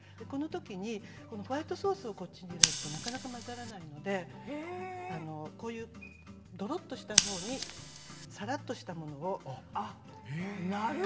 このときにホワイトソースをこっちに入れるとなかなか混ざらないのでどろっとしたほうにさらっとしたものを。